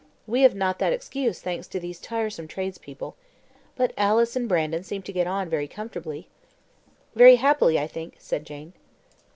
We have not that excuse, thanks to those tiresome tradespeople. But Alice and Brandon seem to get on pretty comfortably." "Very happily, I think," said Jane.